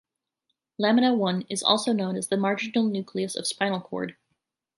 Lamina I is also known as the marginal nucleus of spinal cord.